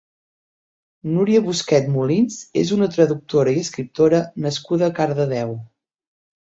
Núria Busquet Molist és una traductora i escriptora nascuda a Cardedeu.